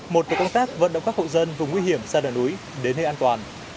một của công tác vận động các hậu dân vùng nguy hiểm sạt lở núi đến nơi an toàn